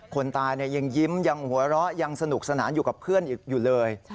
คนตายยังยิ้มยังหัวเราะยังสนุกสนานอยู่กับเพื่อนอยู่เลย